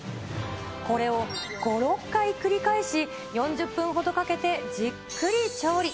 これを５、６回繰り返し、４０分ほどかけてじっくり調理。